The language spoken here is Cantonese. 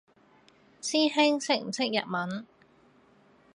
師兄識唔識日文？